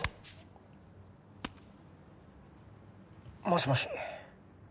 もしもし？